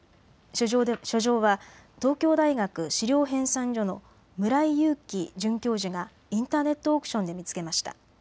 書状は東京大学史料編纂所の村井祐樹准教授がインターネットオークションで見つけました。